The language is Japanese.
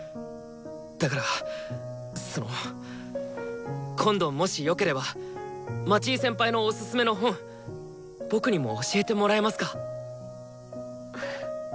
だからその今度もしよければ町井先輩のオススメの本僕にも教えてもらえますか？